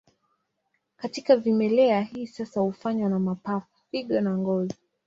Katika vimelea, hii hasa hufanywa na mapafu, figo na ngozi.